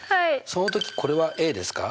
その時これはですか？